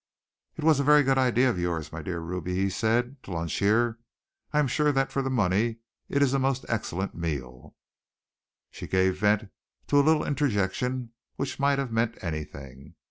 "It was a very good idea of yours, my dear Ruby," he said, "to lunch here. I am sure that for the money it is a most excellent meal." She gave vent to a little interjection which might have meant anything.